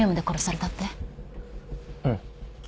うん。